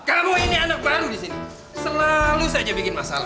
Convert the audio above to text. kamu ini anak baru disini selalu saja bikin masalah